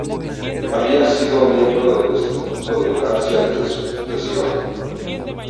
Había sido miembro del Instituto de Francia desde su fundación.